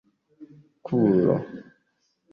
kulo